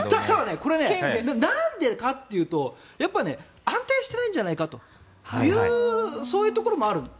ただ、これはなんでかっていうと安定してないんじゃないかというそういうところもある。